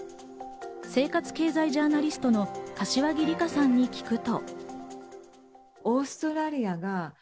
生活経済ジャーナリストの柏木理佳さんに聞くと。